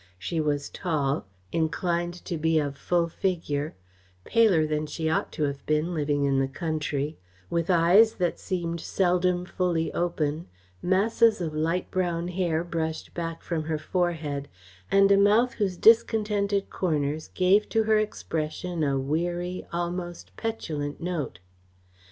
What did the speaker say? She was tall, inclined to be of full figure, paler than she ought to have been, living in the country, with eyes which seemed seldom fully open, masses of light brown hair brushed back from her forehead, and a mouth whose discontented corners gave to her expression a weary, almost a petulant note.